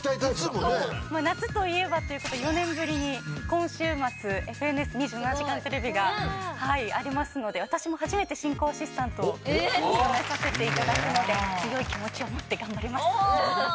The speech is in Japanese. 夏といえばということで４年ぶりに今週末『ＦＮＳ２７時間テレビ』がありますので私も初めて進行アシスタントを務めさせていただくので強い気持ちを持って頑張ります。